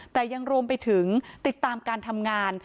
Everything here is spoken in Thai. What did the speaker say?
แต่ยังรวมไปถึงติดตามการทำงาน